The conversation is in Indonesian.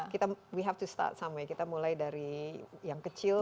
kita harus mulai dari yang kecil